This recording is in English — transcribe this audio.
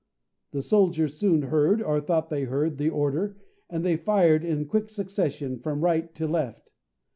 _" The soldiers soon heard, or thought they heard, the order, and they fired in quick succession from right to left.